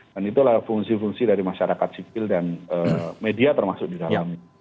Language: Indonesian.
dan itulah fungsi fungsi dari masyarakat sipil dan media termasuk di dalam